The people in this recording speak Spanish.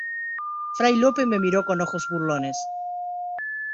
fray Lope me miró con ojos burlones: